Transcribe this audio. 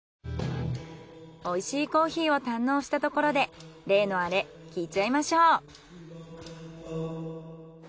美味しいコーヒーを堪能したところで例のアレ聞いちゃいましょう。